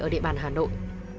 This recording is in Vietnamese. ở địa bàn hà nội